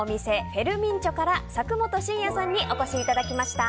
フェルミンチョから作元慎哉さんにお越しいただきました。